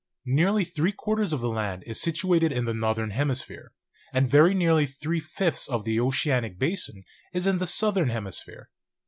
"Nearly three quarters of the land is situated in the northern hemisphere, and very nearly three fifths of the oceanic basin in the southern hemisphere.